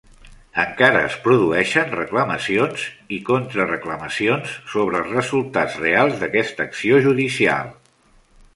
Encara es produeixen reclamacions i contra reclamacions sobre els resultats reals d'aquesta acció judicial.